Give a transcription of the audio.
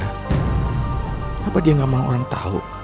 kenapa dia gak mau orang tahu